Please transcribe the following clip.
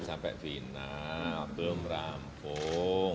sampai final belum rampung